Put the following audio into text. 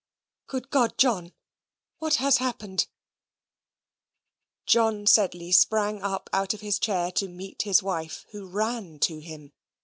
Good God, John, what has happened?" John Sedley sprang up out of his chair to meet his wife, who ran to him.